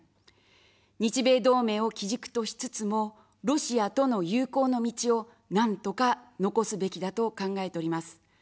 日米同盟を基軸としつつも、ロシアとの友好の道を何とか残すべきだと考えております。